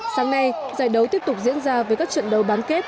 sáng nay giải đấu tiếp tục diễn ra với các trận đấu bán kết